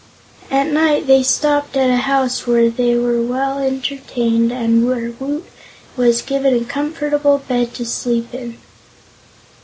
At night they stopped at a house where they were well entertained and where Woot was given a comfortable bed to sleep in.